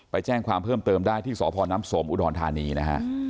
ไปแจ้งความเพิ่มเติมได้ที่สพน้ำสมอุดรธานีนะฮะ